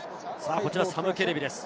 こちらサム・ケレビです。